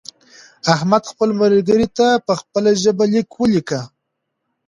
احمد خپل ملګري ته په خپله ژبه لیک ولیکه.